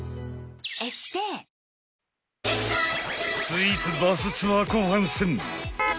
［スイーツバスツアー後半戦！］